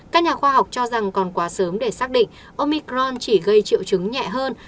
các nhà khoa học cho rằng còn quá sớm để xác định omicron chỉ gây triệu chứng nhẹ hơn